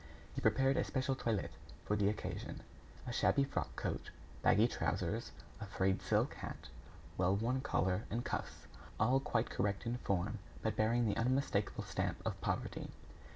He prepared a special toilet for the occasion; a shabby frock coat, baggy trousers, a frayed silk hat, well worn collar and cuffs, all quite correct in form, but bearing the unmistakable stamp of poverty.